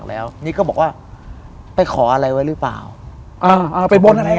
แล้วเหมือนกับเขาโทรมาสารภาพ